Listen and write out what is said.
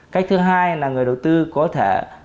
cách thứ hai là người đầu tư có thể